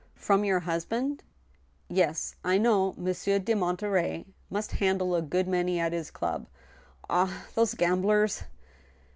"From your husband? Yes, I know Monsieur de Monterey must handle a good many at his club. ... Ah ! those gamblers